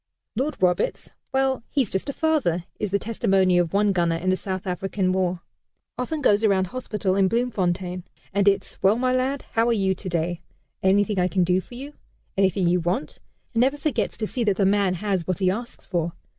"Lord Roberts! Well, he's just a father," is the testimony of one gunner in the South African War. "Often goes around hospital in Bloemfontein, and it's 'Well, my lad, how are you today? Anything I can do for you? Anything you want?' and never forgets to see that the man has what he asks for.